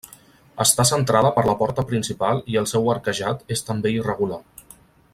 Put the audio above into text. Està centrada per la porta principal i el seu arquejat és també irregular.